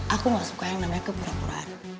aku masuk ke yang namanya kebura buraan